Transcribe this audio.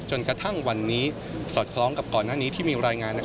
จนกระทั่งวันนี้สอดคล้องกับก่อนหน้านี้ที่มีรายงาน